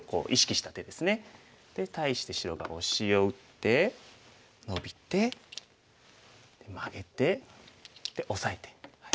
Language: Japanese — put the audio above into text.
対して白がオシを打ってノビてマゲてオサえて。